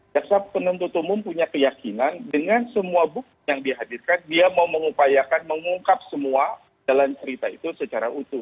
jaksa penuntut umum punya keyakinan dengan semua bukti yang dihadirkan dia mau mengupayakan mengungkap semua jalan cerita itu secara utuh